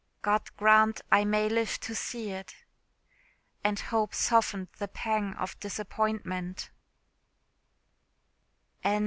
God grant I may live to see it!" And hope softened the pang of disappointment.